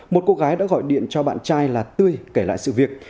một cô gái đã gọi điện cho bạn trai là tươi kể lại sự việc